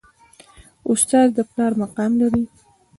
استاد د پلار مقام لري